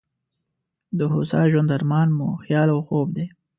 د هوسا ژوند ارمان مو خیال او خوب دی.